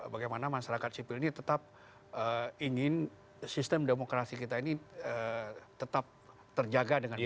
bagaimana masyarakat sipil ini tetap ingin sistem demokrasi kita ini tetap terjaga dengan baik